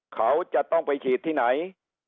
เขาจะต้องไปฉีดที่ไหน